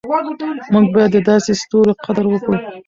موږ باید د داسې ستورو قدر وکړو.